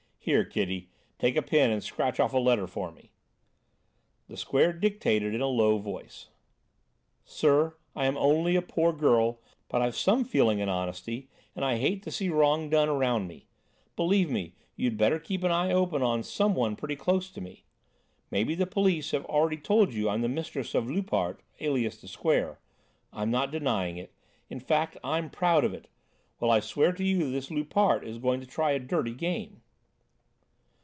Here, kiddy, take a pen and scratch off a letter for me." The Square dictated in a low voice: "Sir, I am only a poor girl, but I've some feeling and honesty and I hate to see wrong done around me. Believe me, you'd better keep an eye open on some one pretty close to me. Maybe the police have already told you I am the mistress of Loupart, alias the Square. I'm not denying it; in fact, I'm proud of it. Well, I swear to you that this Loupart is going to try a dirty game."